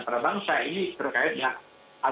para bangsa ini terkait dengan